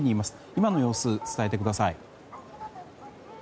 今の様子を伝えてください。